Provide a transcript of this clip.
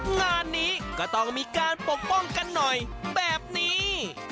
งานนี้ก็ต้องมีการปกป้องกันหน่อยแบบนี้